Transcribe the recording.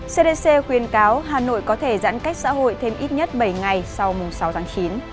cdc khuyên cáo hà nội có thể giãn cách xã hội thêm ít nhất bảy ngày sau sáu tháng chín